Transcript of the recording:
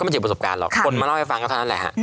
ไม่ต้องเจอประสบการณ์หรอกคนมาเล่าให้ฟังก็เท่านั้นแหละ